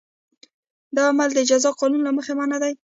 دا عمل د جزا قانون له مخې منع دی.